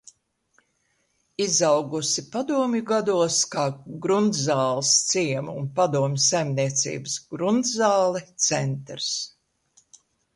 "Izaugusi padomju gados kā Grundzāles ciema un padomju saimniecības "Grundzāle" centrs."